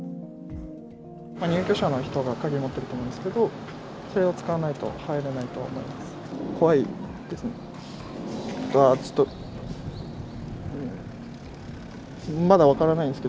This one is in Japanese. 入居者の人が鍵を持ってると思うんですけど、それを使わないと入れないとは思います。